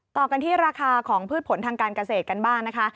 ต่อกันที่ราคาของพืชผลทางการเกษตรกันบ้างนะคะ